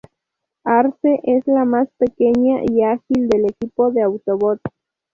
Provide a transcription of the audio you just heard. Arcee es la más pequeña y ágil del equipo de Autobots.